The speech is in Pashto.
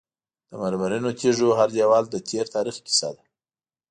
د مرمرینو تیږو هر دیوال د تیر تاریخ کیسه ده.